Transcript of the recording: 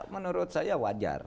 menurut saya wajar